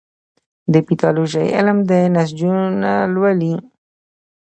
د پیتالوژي علم د نسجونه لولي.